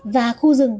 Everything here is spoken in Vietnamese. và khu rừng